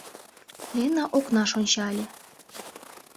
Лена окнаш ончале.